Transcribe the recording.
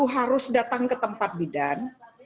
harus datang ke tempat bidan